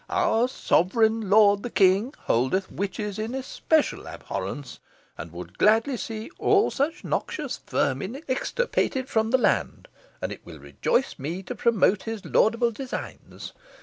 Our sovereign lord the king holdeth witches in especial abhorrence, and would gladly see all such noxious vermin extirpated from the land, and it will rejoice me to promote his laudable designs.